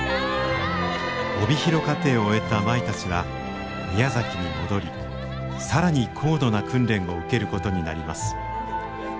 帯広課程を終えた舞たちは宮崎に戻り更に高度な訓練を受けることになります。